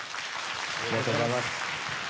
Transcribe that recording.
ありがとうございます。